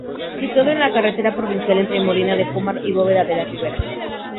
Situado en la carretera provincial entre Medina de Pomar y Bóveda de la Ribera.